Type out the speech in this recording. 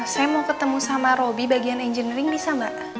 saya mau ketemu sama roby bagian engineering bisa mbak